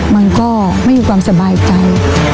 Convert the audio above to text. มันก็ไม่มีความสบายใจ